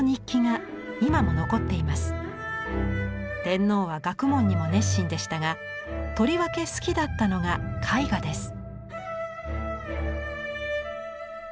天皇は学問にも熱心でしたがとりわけ好きだったのが絵画です。